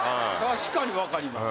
確かに分かります